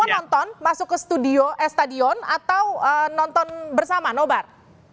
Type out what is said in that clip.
iya kita nonton masuk ke stadion atau nonton bersama nobar